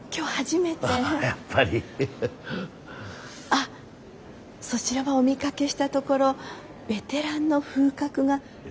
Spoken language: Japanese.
あっそちらはお見かけしたところベテランの風格がおありですわね。